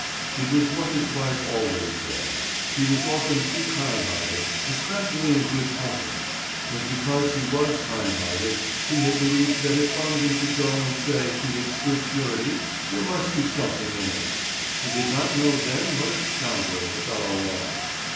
It was what his wife always said he was often too kind hearted, especially in good company; and because he was kind hearted, he had believed that if Wangen could go and say he had stood surety there must be something in it. He did not know then what a scoundrel the fellow was.